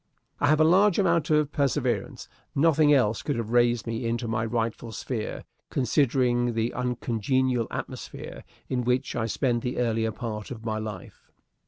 I have a large amount of perseverance. Nothing else could have raised me into my rightful sphere, considering the uncongenial atmosphere in which I spent the earlier part of my life.